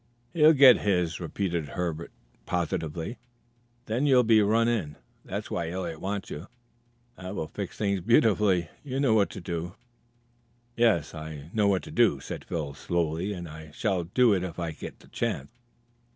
"He'll get his," repeated Herbert positively. "Then you'll be run in. That's why Eliot wants you. That will fix things beautifully. You know what to do." "Yes, I know what to do," said Phil slowly, "and I shall do it if I get the chance."